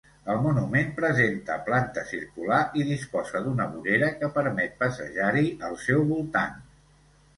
El monument presenta planta circular i disposa d'una vorera que permet passejar-hi al seu voltant.